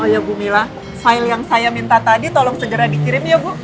ya bu mila file yang saya minta tadi tolong segera dikirim ya bu